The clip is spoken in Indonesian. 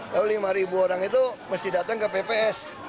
lalu lima orang itu mesti datang ke pps